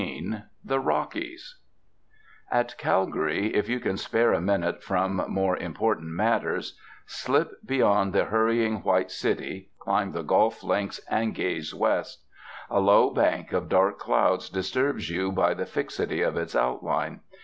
XIII THE ROCKIES At Calgary, if you can spare a minute from more important matters, slip beyond the hurrying white city, climb the golf links, and gaze west. A low bank of dark clouds disturbs you by the fixity of its outline.